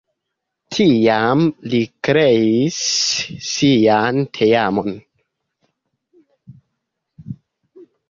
Tiam li kreis sian teamon.